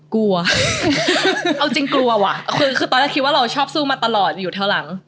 กลัวเอาจริงกลัวว่ะคือตอนแรกคิดว่าเราชอบสู้มาตลอดอยู่แถวหลัง